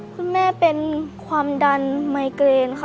คุณแม่เป็นความดันไมเกรนค่ะ